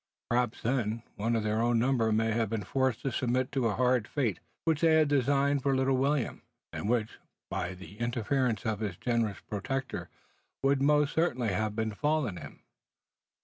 Perhaps, ere then, one of their own number may have been forced to submit to the horrid fate which they had designed for little William; and which, but for the interference of his generous protector, would most certainly have befallen him.